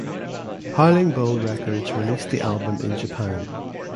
Howling Bull Records released the album in Japan.